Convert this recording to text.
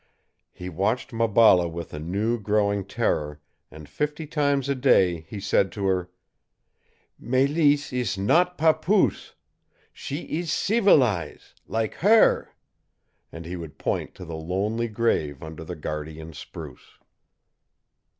He watched Maballa with a new growing terror, and fifty times a day he said to her: "Mélisse ees not papoose! She ees ceevilize lak HER!" And he would point to the lonely grave under the guardian spruce.